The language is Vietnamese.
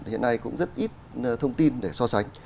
hiện nay cũng rất ít thông tin để so sánh